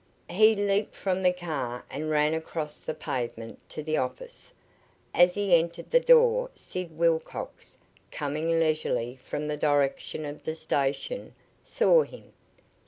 He leaped from the car and ran across the pavement to the office. As he entered the door Sid Wilcox, coming leisurely from the direction of the station, saw him.